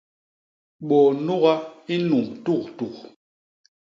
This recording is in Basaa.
Bôô nuga i nnumb tuktuk.